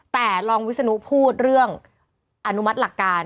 แต่รองวิศนุพูดเรื่องอนุมัติหลักการ